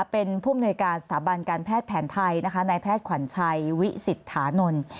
เป็นผู้อำนวยการสถาบันการแพทย์แผนไทยนะคะนายแพทย์ขวัญชัยวิสิทธานนท์